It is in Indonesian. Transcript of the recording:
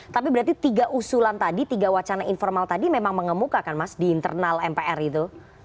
tapi berarti tiga usulan tadi tiga wacana informal tadi memang mengemukakan mas di internal mpr itu